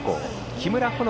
木村穂乃